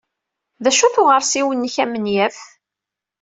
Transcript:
D acu-t uɣersiw-nnek amenyaf?